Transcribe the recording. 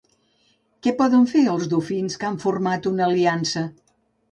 Què poden fer els dofins que han format una aliança?